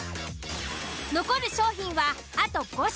残る商品はあと５品。